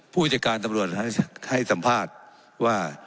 ผู้หญิกการตำรวจก็ให้สัมภาพว่า